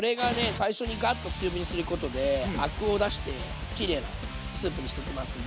最初にガッと強火にすることでアクを出してきれいなスープにしていきますので。